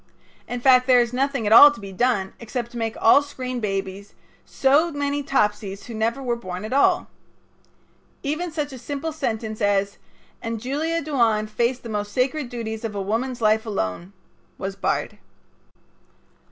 In fact, there is nothing at all to be done except to make all screen babies so many Topsies who never were born at all. Even such a simple sentence as "And Julia Duane faced the most sacred duties of a woman's life alone" was barred.